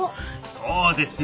そうですよ